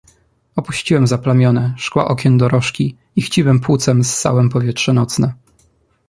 "Opuściłem zaplamione szkła okien dorożki i chciwem płucem ssałem powietrze nocne."